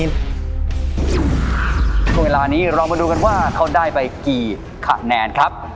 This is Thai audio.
เวลานี้เรามาดูกันว่าเขาได้ไปกี่คะแนนครับ